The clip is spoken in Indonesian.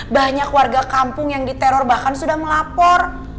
banyak warga kampung yang diteror bahkan sudah melapor